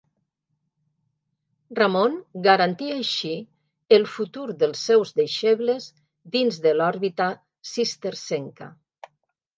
Ramon garantia així el futur dels seus deixebles dins de l'òrbita cistercenca.